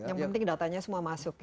yang penting datanya semua masuk